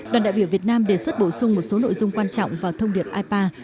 đoàn đại biểu việt nam đề xuất bổ sung một số nội dung quan trọng vào thông điệp ipa